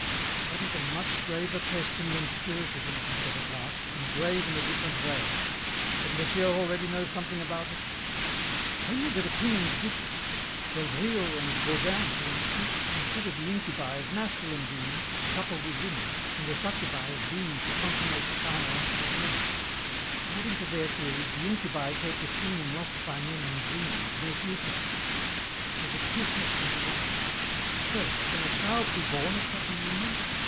"That is a much graver question than Spiritism," he said at last, "and grave in a different way. But monsieur already knows something about it?" "Only that opinions differ. Del Rio and Bodin, for instance, consider the incubi as masculine demons which couple with women and the succubi as demons who consummate the carnal act with men. "According to their theories the incubi take the semen lost by men in dream and make use of it. So that two questions arise: first, can a child be born of such a union?